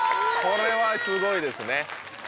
これはすごいですね。